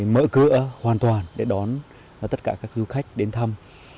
mở cửa hoàn toàn để đón tất cả các du khách đến thăm